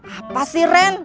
apa sih ren